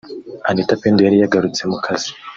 Anitha Pendo yari yagarutse mu kazi